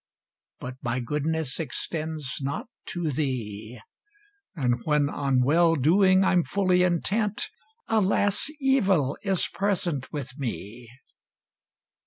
But my goodness extends not to thee; And when on well doing I'm fully intent, Alas! evil is present with me.